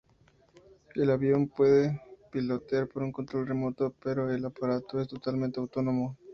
El avión se puede pilotar por control remoto, pero el aparato es totalmente autónomo.